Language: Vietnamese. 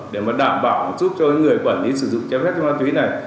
để mà đảm bảo giúp cho người quản lý sử dụng che phép ma túy này